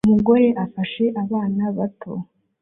Umugore afashe abana bato